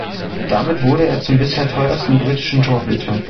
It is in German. Damit wurde er zum bisher teuersten britischen Torhüter.